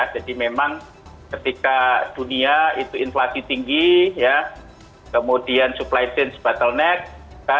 jadi memang ketika dunia itu inflasi tinggi ya kemudian supply chain bottleneck